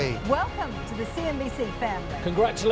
selamat datang di cnbc family